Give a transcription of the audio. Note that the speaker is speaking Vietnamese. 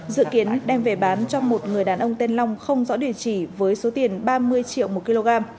dự kiến đem về bán cho một người đàn ông tên long không rõ địa chỉ với số tiền ba mươi triệu một kg